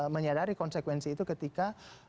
menyadari konsekuensi itu ketika